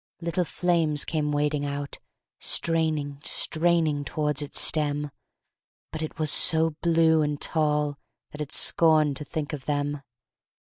Little flames came wading out, Straining, straining towards its stem, But it was so blue and tall That it scorned to think of them!